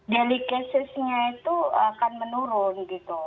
delicacies nya itu akan menurun gitu